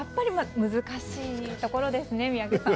難しいところですね、宮家さん。